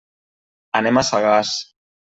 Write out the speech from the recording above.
Anem a Sagàs.